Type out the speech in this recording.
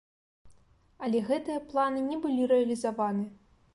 Але гэтыя планы не былі рэалізаваны.